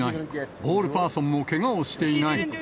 ボールパーソンもけがをしていない。